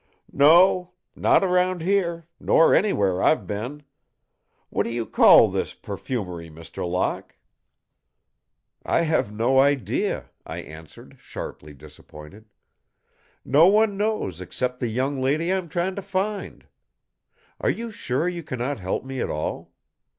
"No. Not around here, nor anywhere I've been! What do you call this perfumery, Mr. Locke?" "I have no idea," I answered, sharply disappointed. "No one knows except the young lady I am trying to find. Are you sure you cannot help me at all?